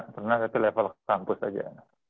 pernah tapi level kampus aja